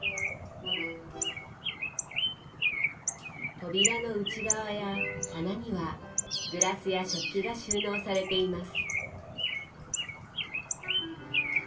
扉の内側や棚にはグラスや食器が収納されています。